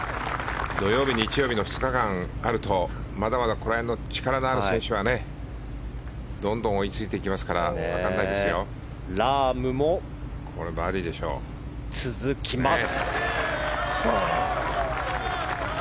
土曜日、日曜日の２日間あるとまだまだ、この辺りの力のある選手はどんどん追いついてきますからラームも続きます。